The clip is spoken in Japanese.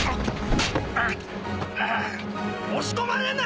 押し込まれんな！